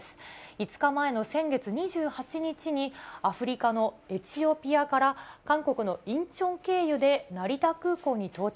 ５日前の先月２８日に、アフリカのエチオピアから韓国のインチョン経由で成田空港に到着。